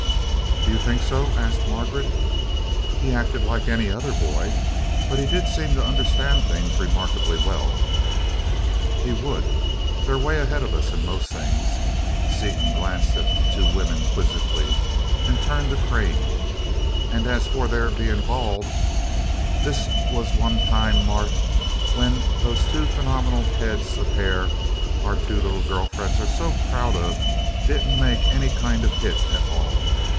"Do you think so?" asked Margaret. "He acted like any other boy, but he did seem to understand things remarkably well." "He would they're 'way ahead of us in most things." Seaton glanced at the two women quizzically and turned to Crane. "And as for their being bald, this was one time, Mart, when those two phenomenal heads of hair our two little girl friends are so proud of didn't make any kind of hit at all.